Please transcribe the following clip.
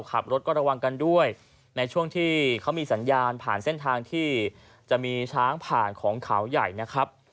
ขับรถก็ระวังกันด้วยในช่วงที่เขามีสัญญาณผ่านเส้นทางที่จะมีช้างผ่านของเขาใหญ่นะครับ